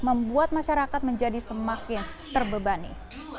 membuat masyarakat menjadi semakin terbebani